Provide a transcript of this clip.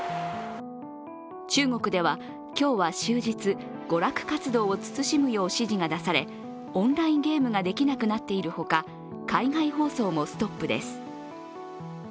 中国では、今日は終日娯楽活動を慎むよう指示が出されオンラインゲームができなくなっているほか、海外放送もストップです。